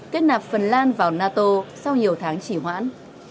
kết nạp phần lan vào nato sau nhiều tháng chỉ hoãn